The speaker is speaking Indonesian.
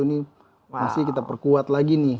ini masih kita perkuat lagi nih